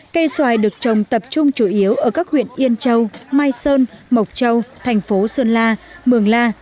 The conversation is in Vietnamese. cây xoài được trồng tập trung chủ yếu ở các huyện yên châu mai sơn mộc châu thành phố sơn la mường la